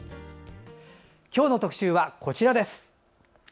今日の特集はこちらです。